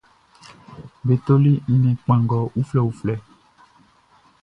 Be toli nnɛn kpanngɔ ufue uflɛ.